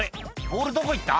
ボールどこ行った？」